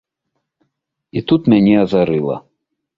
І тут мяне азарыла!